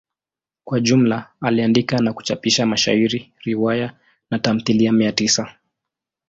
Kwa jumla aliandika na kuchapisha mashairi, riwaya na tamthilia mia tisa.